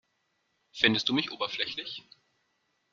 Findest du mich oberflächlich?